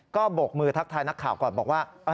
ก็บกมือทักทายนักข่าวก่อนบอกว่า